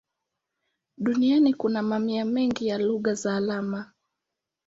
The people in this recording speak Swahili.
Duniani kuna mamia mengi ya lugha za alama.